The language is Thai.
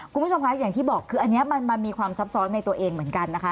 คุณผู้ชมคะอย่างที่บอกคืออันนี้มันมีความซับซ้อนในตัวเองเหมือนกันนะคะ